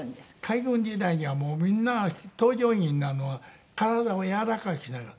海軍時代にはもうみんな搭乗員になるのは体を柔らかくしなきゃ。